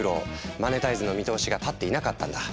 マネタイズの見通しが立っていなかったんだ。